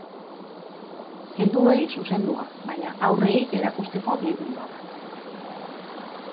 Helduei zuzendua, baina, haurrei erakusteko liburua da.